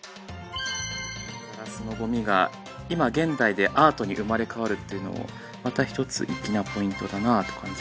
ガラスのごみが今現代でアートに生まれ変わるっていうのをまたひとつ粋なポイントだなと感じますね。